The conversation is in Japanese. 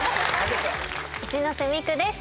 一ノ瀬美空です。